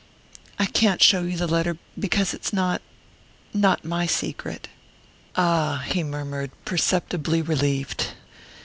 "I can't show you the letter, because it's not not my secret " "Ah?" he murmured, perceptibly relieved.